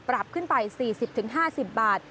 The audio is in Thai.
ปรับขึ้นไป๔๐๕๐บาท